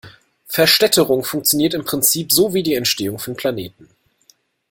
Verstädterung funktioniert im Prinzip so wie die Entstehung von Planeten.